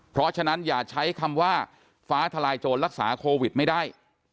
เพราะฉะนั้นอย่าใช้คำว่าฟ้าทลายโจรรักษาโควิดไม่ได้